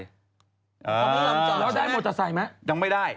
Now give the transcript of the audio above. แล้วได้มอเตอร์ไซค์ไหมยังไม่ได้